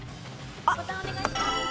ボタンお願いします。